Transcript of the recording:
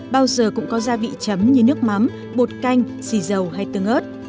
bao giờ cũng có gia vị chấm như nước mắm bột canh xì dầu hay tương ớt